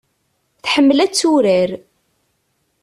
Tḥemmel ad turar.